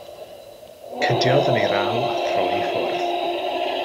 Cydiodd yn ei raw a throi i ffwrdd.